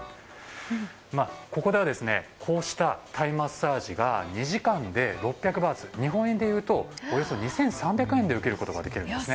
ここではこうしたタイマッサージが２時間で６００バーツ日本円でいうとおよそ２３００円で受けることができるんです。